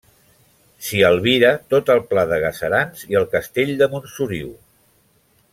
S'hi albira tot el pla de Gaserans i el castell de Montsoriu.